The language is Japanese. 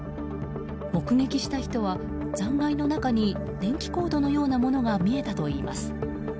目撃した人は残骸の中に電気コードのようなものが見えたといいます。